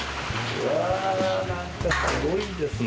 うわぁなんかすごいですね